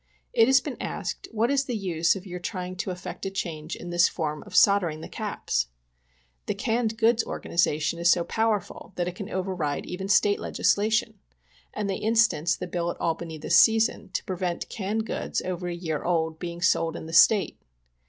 It has been asked what is the use of your trying to efi'ect a change in this form of soldering the caps. The Canned 72 POISONING BY CANNED GOODS. Goods organization is so powerful that it can override even State legislation ; and they instance the bill at Albany this season to prevent canned goods over a year old being sold in this State.